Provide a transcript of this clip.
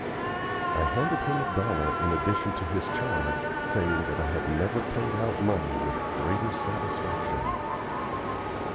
I handed him a dollar in addition to his charge, saying that I had never paid out money with greater satisfaction.